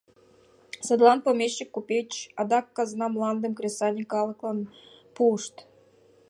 Садлан помещик, купеч, адак казна мландым кресаньык калыклан пуышт.